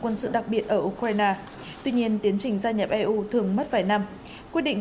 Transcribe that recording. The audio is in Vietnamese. quân sự đặc biệt ở ukraine tuy nhiên tiến trình gia nhập eu thường mất vài năm quyết định